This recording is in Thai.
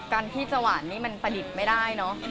การที่จะหวานนี่มันประดิษฐ์ไม่ได้เนอะ